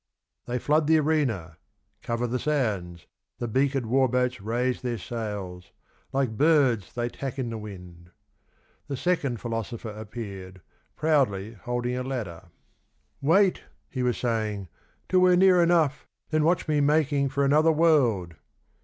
They flood the arena — cover the sands — The beaked war boats raise their sails, like birds they tack in the wind; The second philosopher appeared, proudly holding a ladder. " Wait," he was saying, " till we're near enough, then watch me making for another world."